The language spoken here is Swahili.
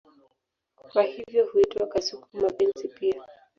Kwa hivyo huitwa kasuku-mapenzi pia.